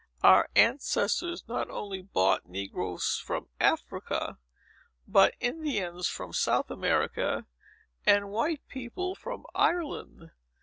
"Our ancestors not only bought negroes from Africa, but Indians from South America, and white people from Ireland.